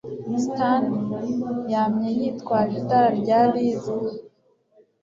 Stan yamye yitwaje itara rya Liz.